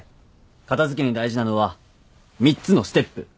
片付けに大事なのは３つのステップ。